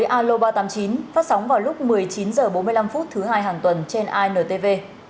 aloba tám mươi chín phát sóng vào lúc một mươi chín h bốn mươi năm thứ hai hàng tuần trên intv